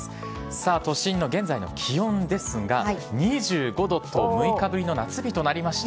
さあ、都心の現在の気温ですが、２５度と、６日ぶりの夏日となりました。